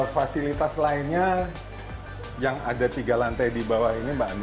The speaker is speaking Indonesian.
fasilitas lainnya yang ada tiga lantai di bawah ini mbak ani